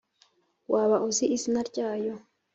waba uzi izina ryayo?